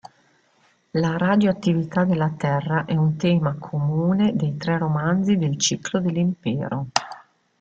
La radioattività della Terra è un tema comune dei tre romanzi del ciclo dell'Impero.